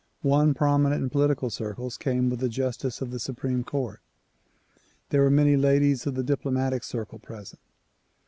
One prominent in political circles came with a justice of the supreme court. There were many ladies of the diplomatic circle present.